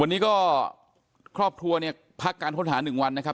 วันนี้ก็ครอบครัวเนี่ยพักการค้นหา๑วันนะครับ